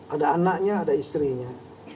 ada anaknya ada istrinya